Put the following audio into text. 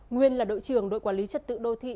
nguyên là đội trưởng đội quản lý trật tự đô thị